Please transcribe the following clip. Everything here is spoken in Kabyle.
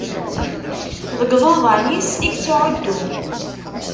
Deg iḍudan-is i yettɛuddu.